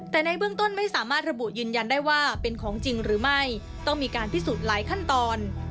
แต่ในเบื้องต้นไม่สามารถระบุยืนยันได้ว่าเป็นของจริงหรือไม่ต้องมีการพิสูจน์หลายขั้นตอน